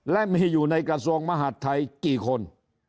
และมีอยู่ในกระทรวงมหาดไทยกี่คน